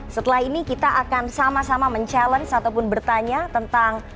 setelah ini kita akan sama sama mencabar ataupun bertanya tentang